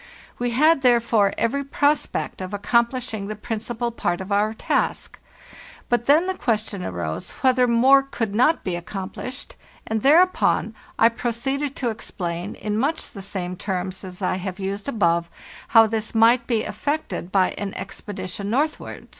We had, therefore, every prospect of accomplishing the principal part of our task; but then the question arose whether more could not be accomplished, and thereupon I pro ceeded to explain, in much the same terms as I have used above, how this might be effected by an expedition northward.